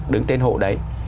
đứng tên hộ đấy